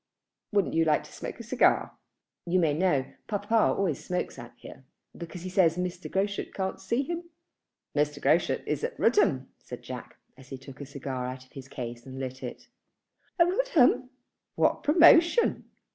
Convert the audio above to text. Wouldn't you like to smoke a cigar? You may, you know. Papa always smokes out here, because he says Mr. Groschut can't see him." "Mr. Groschut is at Rudham," said Jack, as he took a cigar out of his case and lit it. "At Rudham? What promotion!"